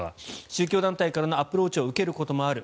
宗教団体からのアプローチを受けることもある。